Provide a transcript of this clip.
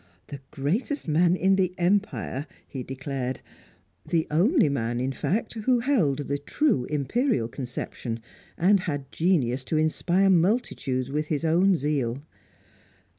The greatest man in the Empire! he declared. The only man, in fact, who held the true Imperial conception, and had genius to inspire multitudes with his own zeal.